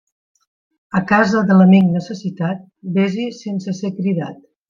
A casa de l'amic necessitat, vés-hi sense ser cridat.